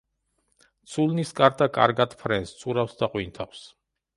ცულნისკარტა კარგად ფრენს, ცურავს და ყვინთავს.